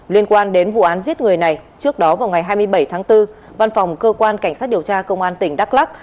liên quan đến vụ án giết người này trước đó vào ngày hai mươi bảy tháng bốn văn phòng cơ quan cảnh sát điều tra công an tỉnh đắk lắc